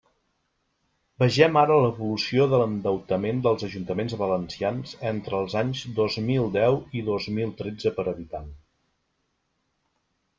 Vegem ara l'evolució de l'endeutament dels ajuntaments valencians entre els anys dos mil deu i dos mil tretze per habitant.